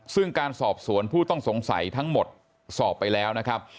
ซึ่งการสอบสวนผู้ต้องสงสัยทั้งหมดสอบไปแล้วนะครับ